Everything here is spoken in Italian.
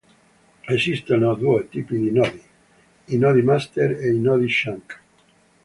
Esistono due tipi di nodi: i nodi Master e i nodi Chunk.